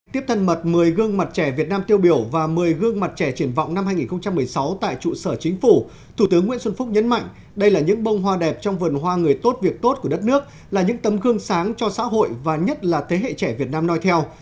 tiếp thân mật một mươi gương mặt trẻ việt nam tiêu biểu và một mươi gương mặt trẻ triển vọng năm hai nghìn một mươi sáu tại trụ sở chính phủ thủ tướng nguyễn xuân phúc nhấn mạnh đây là những bông hoa đẹp trong vườn hoa người tốt việc tốt của đất nước là những tấm gương sáng cho xã hội và nhất là thế hệ trẻ việt nam nói theo